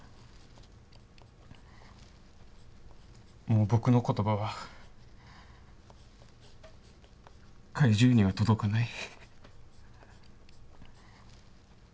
もう僕の言葉は怪獣には届かない。